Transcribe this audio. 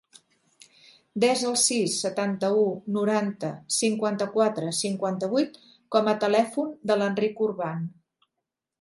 Desa el sis, setanta-u, noranta, cinquanta-quatre, cinquanta-vuit com a telèfon de l'Enric Urban.